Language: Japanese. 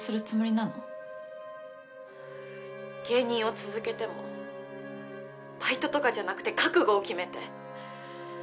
芸人を続けてもバイトとかじゃなくて覚悟を決めて。